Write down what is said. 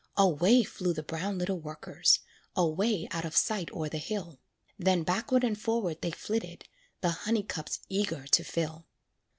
Away flew the brown little workers, Away out of sight o'er the hill; Then backward and forward they flitted, The honey cups eager to fill.